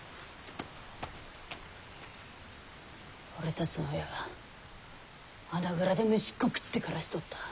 俺たちの親は穴蔵で虫っこ食って暮らしとった。